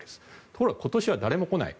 ところが今年は誰も来ない。